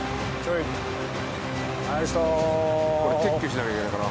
これ撤去しなきゃいけないから。